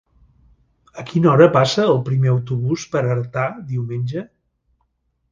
A quina hora passa el primer autobús per Artà diumenge?